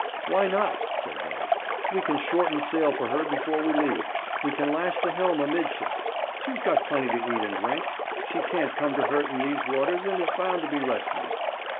'Why not?' said they. 'We can shorten sail for her before we leave. We can lash the helm amidships. She's got plenty to eat and drink. She can't come to hurt in these waters, and is bound to be rescued.'